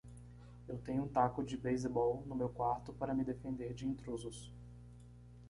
Eu tenho um taco de beisebol no meu quarto para me defender de intrusos.